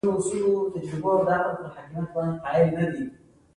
خټکی د خوږ ژوند نښه ده.